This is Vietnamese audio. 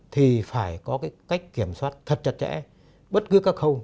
thì phải có cái cách kiểm soát thật chặt chẽ bất cứ các khâu